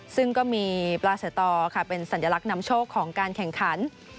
ซึ่งก็มีปลาสายตอค่ะเป็นสัญลักษณ์นำโชคของการแข่งขัน